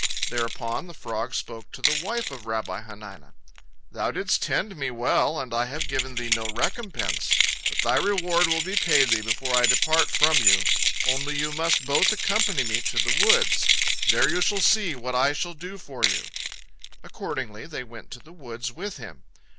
Thereupon the frog spoke to the wife of Rabbi Hanina: "Thou didst tend me well, and I have given thee no recompense. But thy reward will be paid thee before I depart from you, only you must both accompany me to the woods. There you shall see what I shall do for you." Accordingly, they went to the woods with him.